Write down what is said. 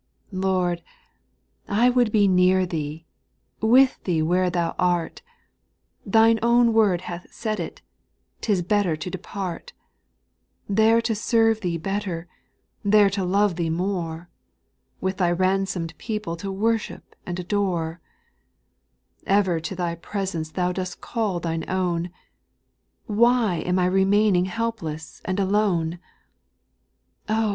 Lord ! I would be near Thee, with Thee where Thou art, — Thine own word hath said it, *' *t is better to depart," There to serve Thee better, there to love Thee more. With Thy ransom'd people to worship and adore. Ever to Thy presence Thou dost call Thine own — Why am I remaining helpless and alone ? SPIRITUAL SONGS, 379 Oh